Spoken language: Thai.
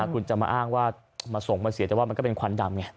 คุณจะมาอ้างว่ามาส่งมาเสียแต่ว่ามันก็เป็นควันดำไง